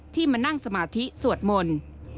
มานั่งสมาธิสวดมนต์